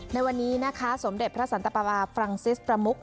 ในวันนี้สมเด็จพระศัลธปราปาฟรั้งซิสต์ประมุก